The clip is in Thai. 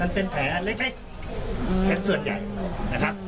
มันเป็นแผลเล็กส่วนใหญ่นะครับ